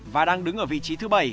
và đang đứng ở vị trí thứ bảy